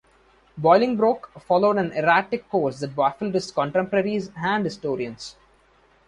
Bolingbroke followed an erratic course that baffled his contemporaries and historians.